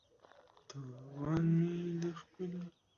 تاوان مې د خپلې پوهې د زیاتوالي لپاره یو پور وباله.